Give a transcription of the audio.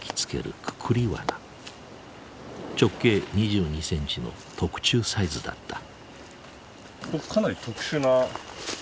直径２２センチの特注サイズだった。